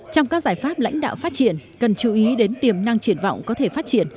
trong các giải pháp lãnh đạo phát triển cần chú ý đến tiềm năng triển vọng có thể phát triển